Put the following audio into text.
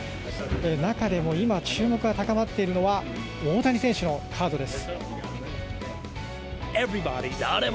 中でも今注目が高まっているのは大谷選手のカードです。